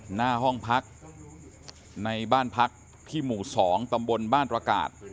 หน้าห้องพักในบ้านพักที่หมู่๒ตำบลบ้านตระกาศ